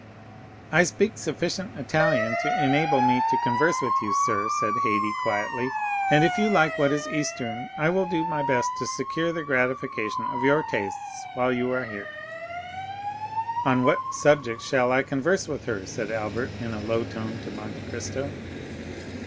"I speak sufficient Italian to enable me to converse with you, sir," said Haydée quietly; "and if you like what is Eastern, I will do my best to secure the gratification of your tastes while you are here." "On what subject shall I converse with her?" said Albert, in a low tone to Monte Cristo.